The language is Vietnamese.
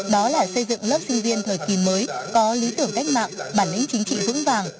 đó là xây dựng lớp sinh viên thời kỳ mới có lý tưởng cách mạng bản lĩnh chính trị vững vàng